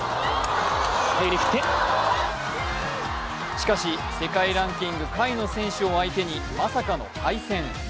しかし、世界ランキング下位の選手を相手に、まさかの敗戦。